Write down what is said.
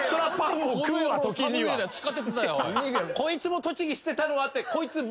「こいつも栃木捨てたのは」って。